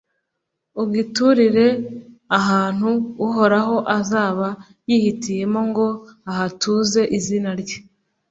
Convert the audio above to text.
ugiturire ahantu uhoraho azaba yihitiyemo ngo ahatuze izina rye.